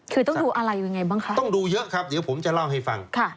คือต้องดูอะไรยังไงบ้างคะต้องดูเยอะครับเดี๋ยวผมจะเล่าให้ฟัง